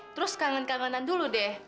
terus kangen kangenan dulu deh